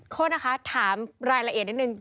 โทษนะคะถามรายละเอียดนิดนึง